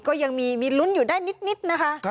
ก็ยังมีลุ้นอยู่ได้นิดนะคะ